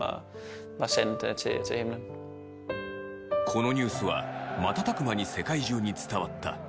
このニュースは瞬く間に世界中に伝わった。